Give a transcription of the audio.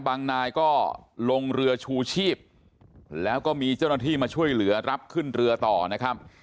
นายก็ลงเรือชูชีพแล้วก็มีเจ้าหน้าที่มาช่วยเหลือรับขึ้นเรือต่อนะครับ